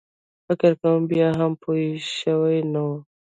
فکر کوم بیا هم پوی شوی نه و.